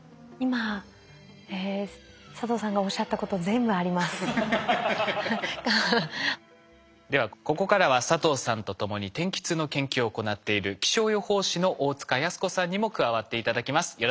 今佐藤さんがおっしゃったことではここからは佐藤さんと共に天気痛の研究を行っている気象予報士の大塚靖子さんにも加わって頂きます。